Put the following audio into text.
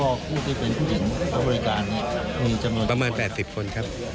มีผู้ที่เป็นผู้หญิงบริการมีจำนวน๘๐คนครับ